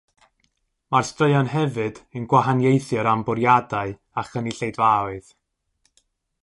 Mae'r straeon hefyd yn gwahaniaethu o ran bwriadau a chynulleidfaoedd.